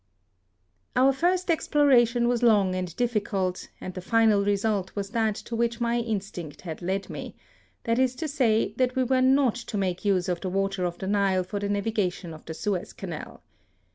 ) THE SUEZ CANAL. 19 Our first exploration was long and diffi cult, and the final result was that to which my instinct had led me, — that is to say, that we were not to make use of the water of the Nile for the navigation of the Suez Canal.